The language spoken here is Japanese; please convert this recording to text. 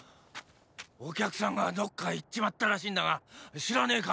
「お客さん」がどっか行っちまったらしいんだが知らねェか？